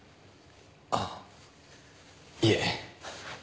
あっいえ。